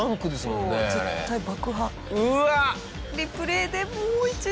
リプレーでもう一度。